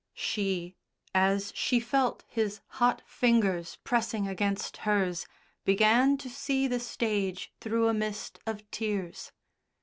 She, as she felt his hot fingers pressing against hers, began to see the stage through a mist of tears.